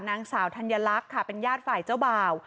นางสาวธัญลักษณ์ค่ะเป็นญาติฝ่ายเจ้าบ่าว